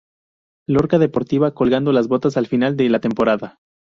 Lorca Deportiva colgando las botas al final de la temporada.